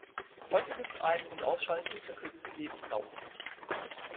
Häufiges Ein- und Ausschalten verkürzt die Lebensdauer.